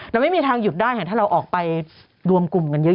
เราไม่มีทางหยุดได้ถ้าเราออกไปรวมกลุ่มกันเยอะ